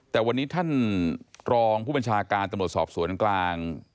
แต่วันนี้ท่านรองผู้บัญชาการตำรวจสอบสวนกลาง